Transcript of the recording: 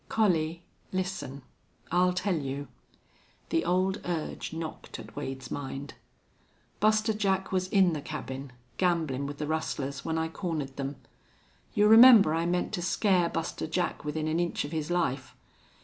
"Collie; listen. I'll tell you." The old urge knocked at Wade's mind. "Buster Jack was in the cabin, gamblin' with the rustlers, when I cornered them. You remember I meant to scare Buster Jack within an inch of his life?